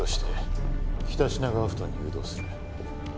北品川埠頭に誘導する。